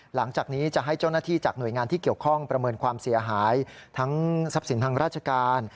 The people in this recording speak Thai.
หลังจากนี้จะให้เจ้าหน้าที่จากหน่วยงานที่เกี่ยวข้องประเมินความเสียหายทั้งทรัพย์สินทางราชการ